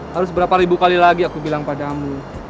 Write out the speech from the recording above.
harus berapa ribu kali lagi aku bilang padamu